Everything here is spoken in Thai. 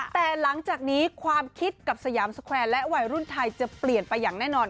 แต่หลังจากนี้ความคิดกับสยามสแควร์และวัยรุ่นไทยจะเปลี่ยนไปอย่างแน่นอน